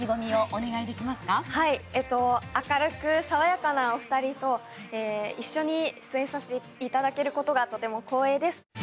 明るく爽やかなお二人と一緒に出演させて頂ける事がとても光栄です。